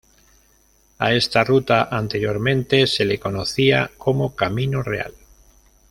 A esta ruta anteriormente se le conocía como "Camino Real".